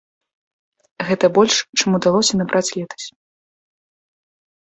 Гэта больш, чым удалося набраць летась.